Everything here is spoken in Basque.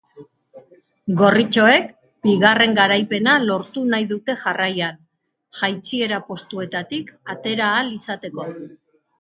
Gorritxoek bigarren garaipena lortu nahi dute jarraian, jaitsiera postuetatik atera ahal izateko.